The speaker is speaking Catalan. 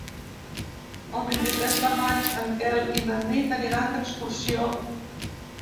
El vint-i-tres de maig en Quel i na Nit aniran d'excursió.